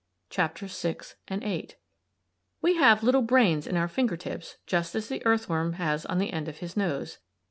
(Chapters VI and VIII.) We have little brains in our finger tips just as the earthworm has on the end of his nose.